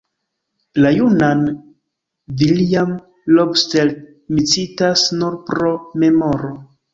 La junan Villiam Lobster mi citas nur pro memoro.